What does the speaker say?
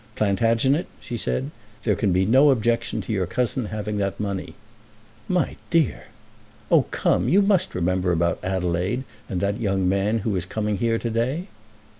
"Plantagenet," she said, "there can be no objection to your cousin having that money." "My dear!" "Oh come; you must remember about Adelaide, and that young man who is coming here to day."